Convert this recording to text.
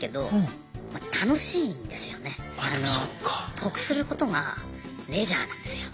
得することがレジャーなんですよ。